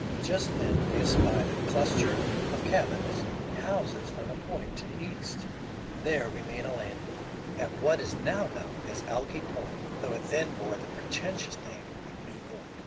Just then we espied a cluster of cabins and houses on a point to the east. There we made a landing, at what is now known as Alki Point, though it then bore the pretentious name of New York.